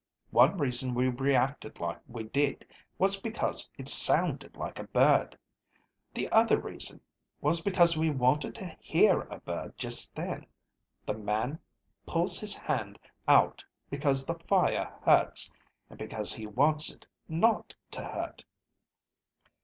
One reason we reacted like we did was because it sounded like a bird. The other reason was because we wanted to hear a bird just then. The man pulls his hand out because the fire hurts, and because he wants it not to hurt."